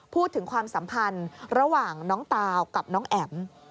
พูดถึงความสัมพันธ์ระหว่างน้องตาวกับน้องแอ๋ม